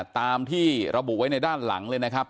ตามที่ระบุไว้ในด้านหลังเลยนะครับ